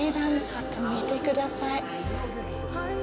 ちょっと見てください。